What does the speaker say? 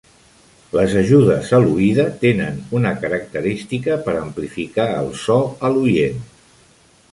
Les ajudes a l'oïda tenen una característica per amplificar el so a l'oient.